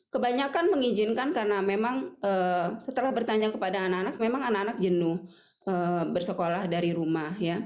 kebanyakan mengizinkan karena memang setelah bertanya kepada anak anak memang anak anak jenuh bersekolah dari rumah